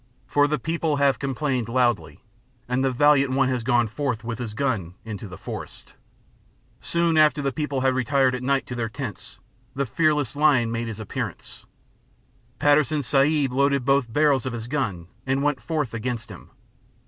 For the people have complained loudly, and the valiant one has gone forth with his gun into the forest. Soon after the people had retired at night to their tents, the fearless lion made his appearance; Patterson Sahib loaded both barrels of his gun and went forth against him.